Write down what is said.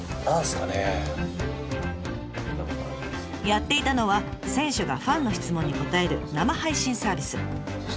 やっていたのは選手がファンの質問に答える生配信サービス。